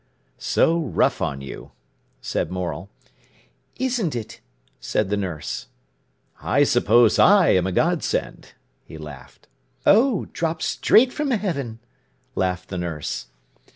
"So rough on you!" said Morel. "Isn't it?" said the nurse. "I suppose I am a godsend," he laughed. "Oh, dropped straight from heaven!" laughed the nurse.